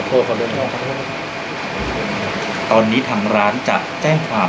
อยากขอโทษขอโทษที่ตอนนี้ทำร้านจะแจ้งความ